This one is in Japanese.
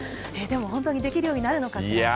でも本当にできるようになるのかしら。